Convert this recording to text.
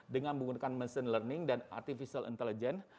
dengan menggunakan mesin learning dan artificial intelligence